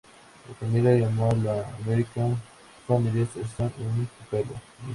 La familia llamó a la American Family Association en Tupelo, Misisipi.